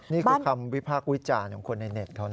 นี่คือคำวิพากษ์วิจารณ์ของคนในเน็ตเขานะ